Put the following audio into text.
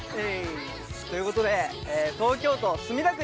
ということで東京都墨田区に来ております。